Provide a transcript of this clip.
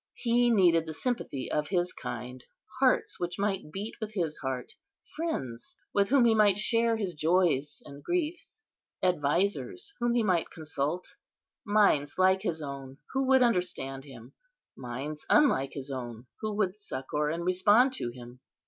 He needed the sympathy of his kind; hearts which might beat with his heart; friends with whom he might share his joys and griefs; advisers whom he might consult; minds like his own, who would understand him—minds unlike his own, who would succour and respond to him.